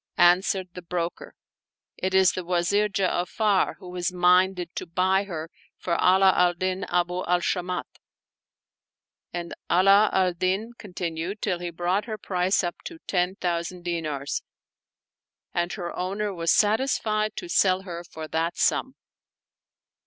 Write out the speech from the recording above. An swered the broker, " It is the Wazir Ja'afar who is minded to buy her for Ala al din Abu al Shamat." And Ala al Din continued till he brought her price up to ten thousand di nars, and her owner was satisfied to sell her for that sum.